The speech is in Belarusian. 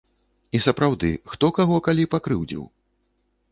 І сапраўды, хто каго калі пакрыўдзіў?